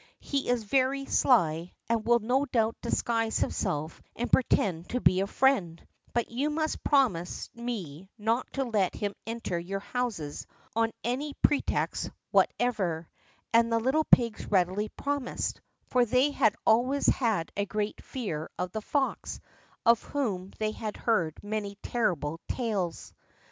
He is very sly, and will no doubt disguise himself and pretend to be a friend, but you must promise me not to let him enter your houses on any pretext whatever," and the little pigs readily promised, for they had always had a great fear of the fox, of whom they had heard many terrible tales.